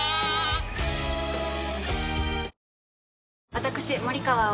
私森川葵